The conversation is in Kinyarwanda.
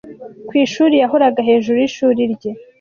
Kwishuri yahoraga hejuru yishuri rye